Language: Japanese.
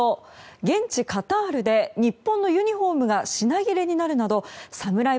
現地カタールで日本のユニホームが品切れになるなどサムライ